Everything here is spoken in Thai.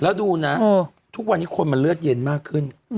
แล้วดูนะทุกวันนี้คนมันเลือดเย็นมากขึ้น